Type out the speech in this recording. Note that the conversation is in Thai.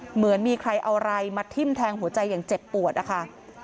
เหมือนมีใครเอาอะไรมาทิ้มแทงหัวใจอย่างเจ็บปวดนะคะ